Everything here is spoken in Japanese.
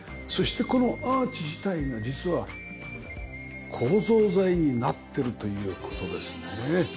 そしてこのアーチ自体が実は構造材になってるという事ですね。